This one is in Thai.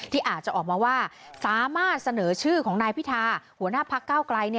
ที่อาจจะออกมาว่าสามารถเสนอชื่อของนายพิธาหัวหน้าพักเก้าไกล